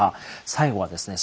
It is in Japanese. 最後はですね